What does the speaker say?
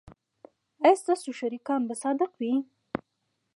ایا ستاسو شریکان به صادق وي؟